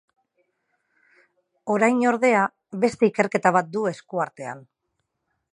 Orain, ordea, beste ikerketa bat du eskuartean.